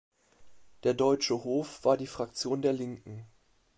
Der Deutsche Hof war die Fraktion der Linken.